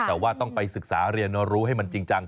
แต่ว่าต้องไปศึกษาเรียนรู้ให้มันจริงจัง